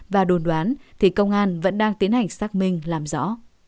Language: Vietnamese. và đồn đoán thì công an vẫn đang tiến hành xác minh làm rõ